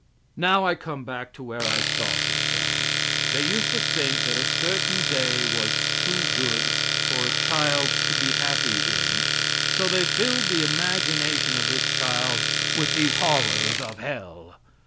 Now, I come back to where I started from. They used to think that a certain day was too good for a child to be happy in, so they filled the imagination of this child with these horrors of hell.